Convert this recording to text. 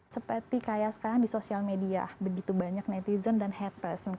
seperti kayak sekarang di sosial media begitu banyak netizen dan haters